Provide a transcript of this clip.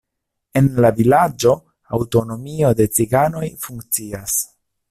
En la vilaĝo aŭtonomio de ciganoj funkcias.